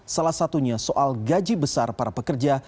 salah satunya soal gaji besar para pekerja